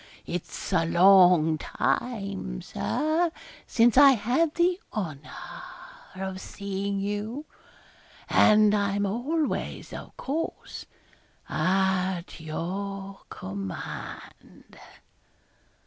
It's a long time, Sir, since I had the honour of seeing you; and I'm always, of course, at your command.'